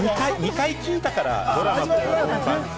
２回聞いたから、ドラマと本番。